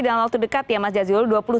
dalam waktu dekat ya mas jazilul